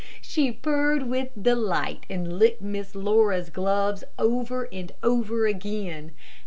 She purred with delight, and licked Miss Laura's gloves over and over again.